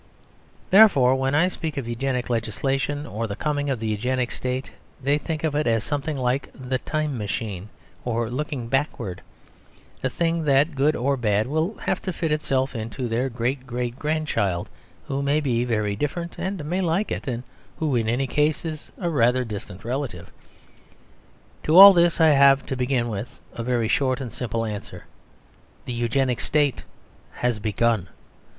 Therefore, when I speak of Eugenic legislation, or the coming of the Eugenic State, they think of it as something like The Time Machine or Looking Backward: a thing that, good or bad, will have to fit itself to their great great great grandchild, who may be very different and may like it; and who in any case is rather a distant relative. To all this I have, to begin with, a very short and simple answer. The Eugenic State has begun.